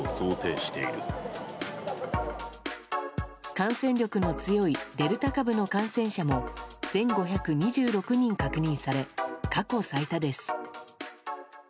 感染力の強いデルタ株の感染者も１５２６人確認され過去最多です。